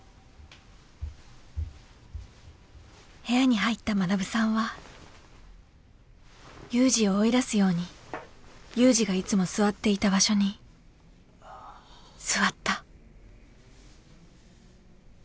［部屋に入った学さんはユウジを追い出すようにユウジがいつも座っていた場所に座った］